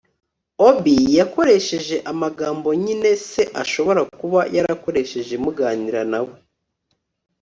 obi yakoresheje amagambo nyine se ashobora kuba yarakoresheje muganira na we